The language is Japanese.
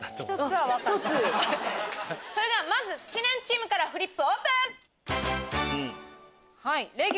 まず知念チームからフリップオープン！